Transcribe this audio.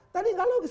tadi gak logis